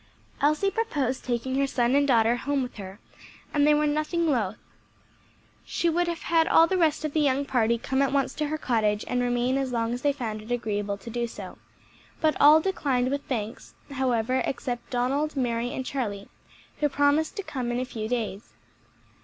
Elsie proposed taking her son and daughter home with her, and they were nothing loath. She would have had all the rest of the young party come at once to her cottage and remain as long as they found it agreeable to do so, but all declined with thanks however, except Donald, Mary and Charlie, who promised to come in a few days.